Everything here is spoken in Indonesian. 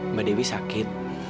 mbak dewi sakit